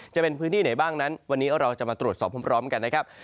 จะเป็นพื้นที่ไหนบ้างนั้นวันนี้เราจะมาตรวจสอบพร้อมกันนะครับ